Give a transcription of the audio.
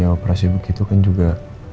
operasi begitu kan juga